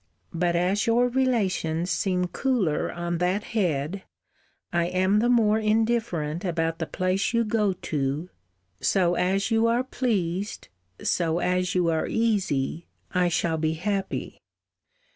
But as your relations seem cooler on that head, I am the more indifferent about the place you go to. So as you are pleased, so as you are easy, I shall be happy.